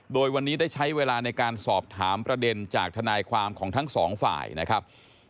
โดยวันนี้ได้ใช้เวลาในการสอบถามประเด็นจากทนายความของทั้งสองฝ่ายนะครับ